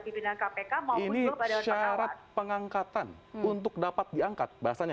pimpinan kpk maupun untuk pada orang orang ini syarat pengangkatan untuk dapat diangkat bahasanya